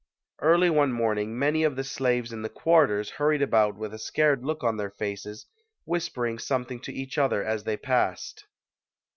Early one morning many of the slaves in the "quarters" hurried about with a scared look on their faces, whispering something to each other as they passed.